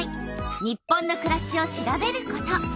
「日本のくらし」を調べること。